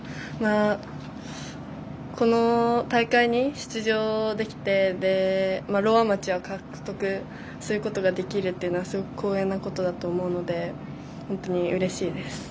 この大会に出場できてローアマチュア獲得することができるというのはすごく光栄なことだと思うので本当にうれしいです。